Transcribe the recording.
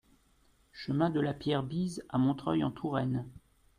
Chemin de la Pierre Bise à Montreuil-en-Touraine